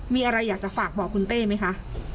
มีอะไรอยากจะฝากบอกคุณเต้ไหมคะ